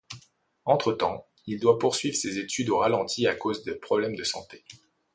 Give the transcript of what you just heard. Entre-temps, il doit poursuivre ses études au ralenti à cause de problème de santé.